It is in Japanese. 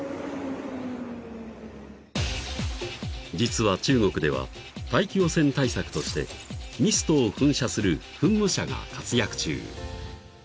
［実は中国では大気汚染対策としてミストを噴射する噴霧車が活躍中］